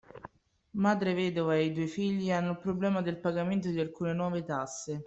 Madre vedova e i due figli hanno il problema del pagamento di alcune nuove tasse